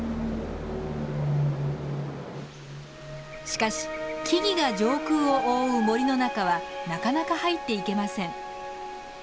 しかし木々が上空を覆う森の中はなかなか入っていけません。